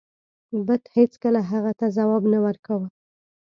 بت هیڅکله هغه ته ځواب نه ورکاو.